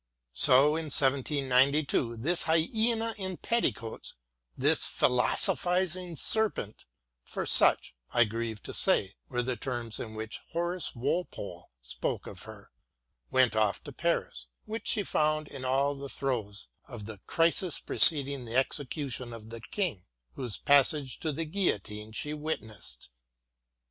So in 1792 this hyena in petticoats, this philosophising serpent — ^for such, I grieve to say, were the terms in which Horace Walpole spoke of her — ^went off to Paris, which she found in all the throes of the crisis preceding the execution of the King, whose passage to the MARY WOLLSTONECRAFT 75 guillotine she witnessed.